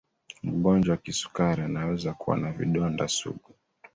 mgonjwa wa kisukari anaweza kuwa na vidonda sugu